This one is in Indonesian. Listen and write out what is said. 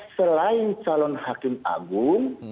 selain calon hakim agung